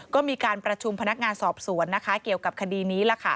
ก็มีการประชุมพนักงานสอบสวนเกี่ยวกับคดีนี้